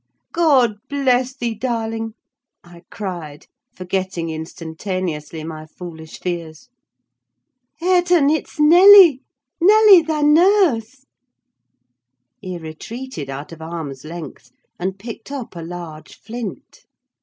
"God bless thee, darling!" I cried, forgetting instantaneously my foolish fears. "Hareton, it's Nelly! Nelly, thy nurse." He retreated out of arm's length, and picked up a large flint.